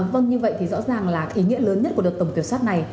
vâng như vậy thì rõ ràng là ý nghĩa lớn nhất của đợt tổng kiểm soát này